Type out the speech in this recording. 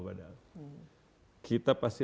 padahal kita pasti